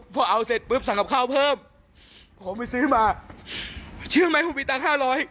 พอเอาเสร็จปุ๊บสั่งกับข้าวเพิ่มผมไปซื้อมาเชื่อไหมผมมีตังค์ห้าร้อย